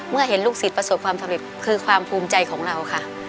เมื่อเห็นลูกศิษย์ประสบความสำเร็จคือความภูมิใจของเราค่ะ